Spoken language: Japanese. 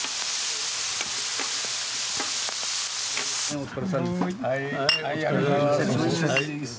お疲れさんです。